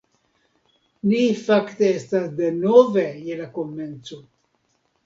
Ni fakte estas denove je la komenco